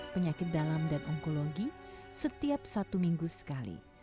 penyakit dalam dan onkologi setiap satu minggu sekali